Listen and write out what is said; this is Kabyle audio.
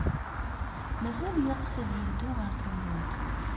Mazal yeɣs ad yeddu ɣer tallunt?